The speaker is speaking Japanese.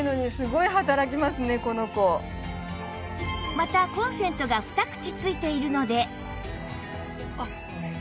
またコンセントが２口付いているので